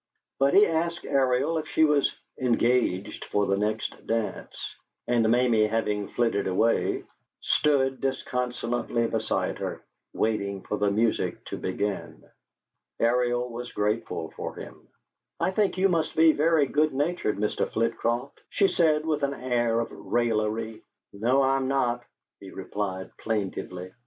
But he asked Ariel if she was "engaged for the next dance," and, Mamie having flitted away, stood disconsolately beside her, waiting for the music to begin. Ariel was grateful for him. "I think you must be very good natured, Mr. Flitcroft," she said, with an air of raillery. "No, I'm not," he replied, plaintively.